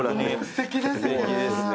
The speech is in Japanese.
すてきですね。